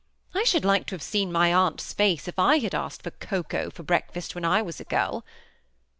I should like to have seen my aunt's face if I had asked ibr cocoa for breakfast when I was a girl."